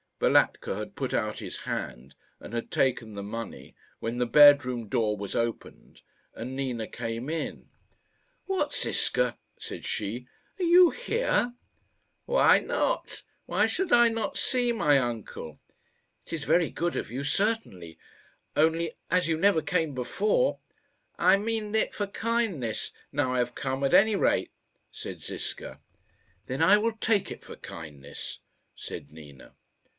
Balatka had put out his hand and had taken the money, when the bedroom door was opened, and Nina came in. "What, Ziska," said she, "are you here?" "Why not? why should I not see my uncle?" "It is very good of you, certainly; only, as you never came before " "I mean it for kindness, now I have come, at any rate," said Ziska. "Then I will take it for kindness," said Nina.